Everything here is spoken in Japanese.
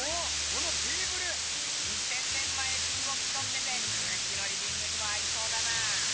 このテーブル２，０００年前風を気どっててうちのリビングにも合いそうだな！